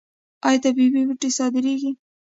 آیا طبیعي بوټي صادریږي؟